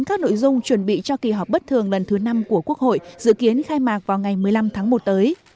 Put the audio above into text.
các nội dung chuẩn bị cho kỳ họp bất thường lần thứ năm của quốc hội dự kiến khai mạc vào ngày một mươi năm tháng một tới